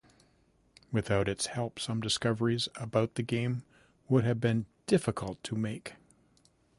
Without its help some discoveries about the game would have been difficult to make.